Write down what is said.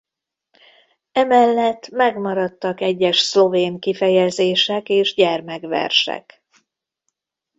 Emellett megmaradtak egyes szlovén kifejezések és gyermekversek.